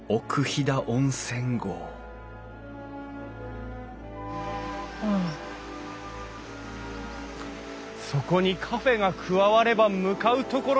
そこにカフェが加われば向かう所敵なし！